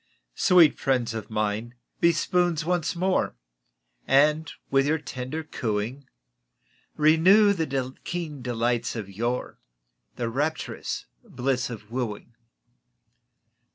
Sweet friends of mine, be spoons once more, And with your tender cooing Renew the keen delights of yore The rapturous bliss of wooing.